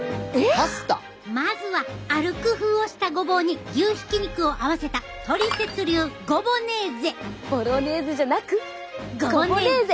まずはある工夫をしたごぼうに牛ひき肉を合わせたボロネーゼじゃなくゴボネーゼ！